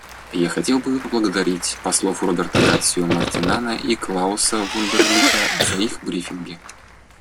Я хотел бы поблагодарить послов Роберто Гарсию Моритана и Клауса Вундерлиха за их брифинги.